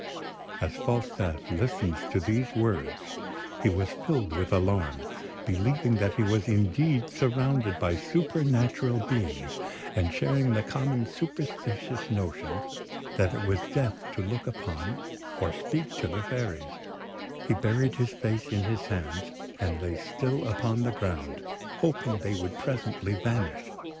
As Falstaff listened to these words, he was filled with alarm, believing that he was indeed surrounded by supernatural beings; and sharing the common superstitious notion that it was death to look upon or speak to the fairies, he buried his face in his hands, and lay still upon the ground, hoping they would presently vanish.